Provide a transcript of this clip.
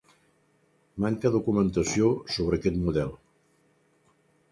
Manca documentació sobre aquest model.